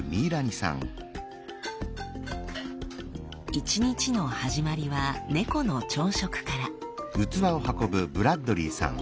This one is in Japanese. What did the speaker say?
一日の始まりは猫の朝食から。